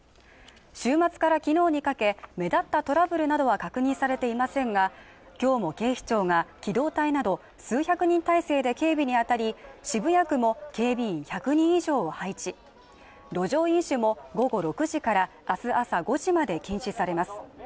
週末から昨日にかけ目立ったトラブルなどは確認されていませんがきょうも警視庁が機動隊など数百人態勢で警備にあたり渋谷区も警備員１００人以上を配置路上飲酒も午後６時から明日朝５時まで禁止されます